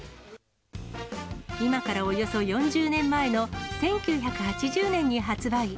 今からおよそ４０年前の１９８０年に発売。